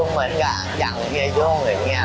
ก็คือเหมือนกับอย่างเยี่ยโย่งอย่างเงี้ย